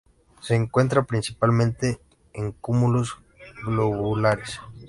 Se encuentran principalmente en cúmulos globulares.